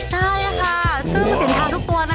ใช่ค่ะซึ่งสินค้าทุกตัว